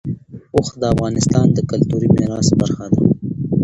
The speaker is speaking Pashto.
اوښ د افغانستان د کلتوري میراث برخه ده.